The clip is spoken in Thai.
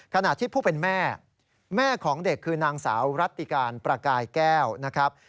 ขณะที่ผู้เป็นแม่แม่ของเด็กคือนางสาวรัติการประกายแก้วนะครับ